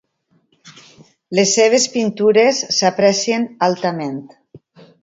Les seves pintures s'aprecien altament.